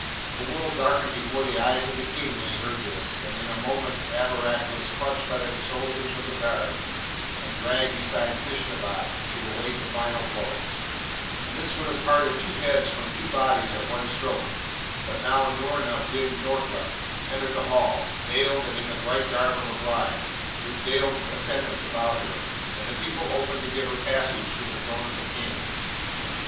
The world darkened before the eyes of the King when he heard this, and in a moment Abarak was clutched by the soldiers of the guard, and dragged beside Feshnavat to await the final blow; and this would have parted two heads from two bodies at one stroke, but now Noorna bin Noorka entered the hall, veiled and in the bright garb of a bride, with veiled attendants about her, and the people opened to give her passage to the throne of the King.